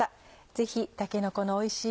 ぜひたけのこのおいしい